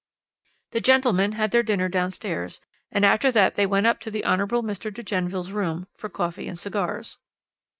The gentlemen had their dinner downstairs, and after that they went up to the Hon. Mr. de Genneville's room for coffee and cigars.